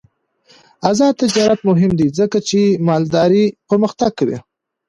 آزاد تجارت مهم دی ځکه چې مالداري پرمختګ کوي.